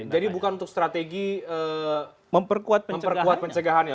jadi bukan untuk strategi memperkuat pencegahannya